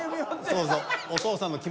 そうそう。